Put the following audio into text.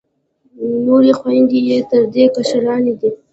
نورې خویندې یې تر دې کشرانې دي.